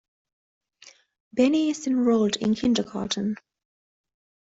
Benny is enrolled in kindergarten.